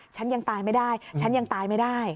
ฉันยังตายไม่ได้